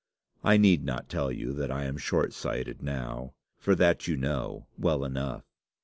I need not tell you that I am short sighted now, for that you know well enough.